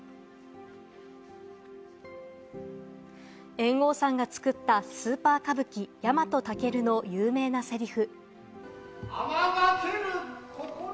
猿翁さんが作った『スーパー歌舞伎ヤマトタケル』の有名なせりふ。